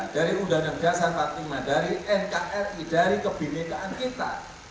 dari uu empat puluh lima dari nkri dari kebimintaan kita